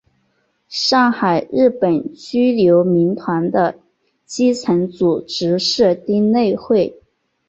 上海日本居留民团的基层组织是町内会。